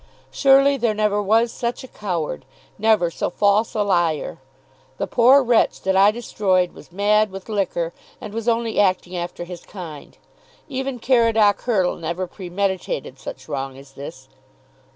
Surely there never was such a coward, never so false a liar. The poor wretch that I destroyed was mad with liquor and was only acting after his kind. Even Caradoc Hurtle never premeditated such wrong as this.